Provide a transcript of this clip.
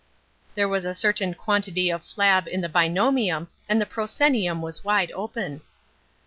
There was a certain quantity of flab in the binomium and the proscenium was wide open.